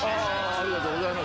ありがとうございます。